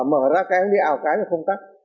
mở ra cái không đi ào cái là không tắt